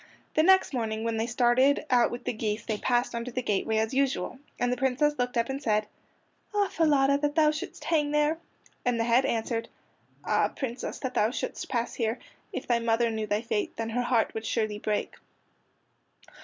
The next morning when they started out with the geese they passed under the gateway as usual, and the Princess looked up and said: "Ah, Falada, that thou shouldst hang there!" And the head answered: "Ah, Princess, that thou shouldst pass here! If thy mother knew thy fate, Then her heart would surely break."